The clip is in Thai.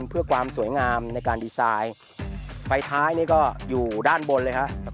เพื่อความสวยงามในการดีไซน์ไฟท้ายนี่ก็อยู่ด้านบนเลยครับ